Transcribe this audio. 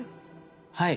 はい。